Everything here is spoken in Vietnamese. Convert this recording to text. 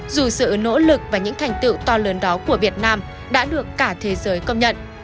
dù sự nỗ lực và những thành tựu to lớn đó của việt nam đã được cả thế giới công nhận